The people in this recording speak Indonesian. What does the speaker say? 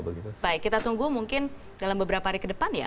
baik kita tunggu mungkin dalam beberapa hari ke depan ya